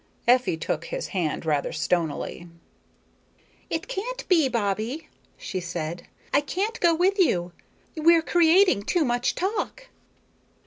Effie took his hand rather stonily. "It can't be, Bobbie," she said. "I can't go with you. We're creating too much talk."